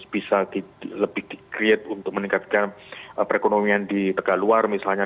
bisa lebih di create untuk meningkatkan perekonomian di tegak luar misalnya